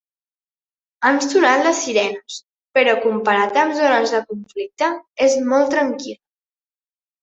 Han sonat les sirenes, però comparat amb zones de conflicte, és molt tranquil·la.